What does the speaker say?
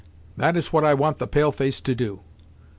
That is what I want the pale face to do."